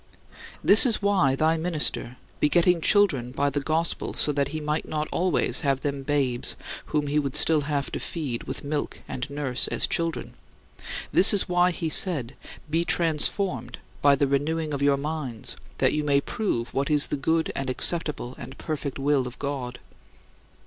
This is why thy minister begetting children by the gospel so that he might not always have them babes whom he would have to feed with milk and nurse as children this is why he said, "Be transformed by the renewing of your minds, that you may prove what is the good and acceptable and perfect will of God."